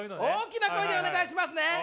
大きな声でお願いしますね！